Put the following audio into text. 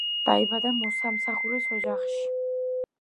დაიბადა მოსამსახურის ოჯახში.